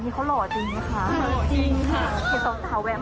เห็นมั้ยคะเช่นเจ้าของร้าน